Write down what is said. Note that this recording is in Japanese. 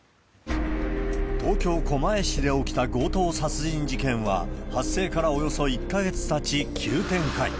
東京・狛江市で起きた強盗殺人事件は、発生からおよそ１か月たち、急展開。